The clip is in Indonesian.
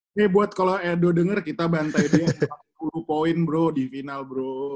oke buat kalau edo denger kita bantai deh empat puluh poin bro di final bro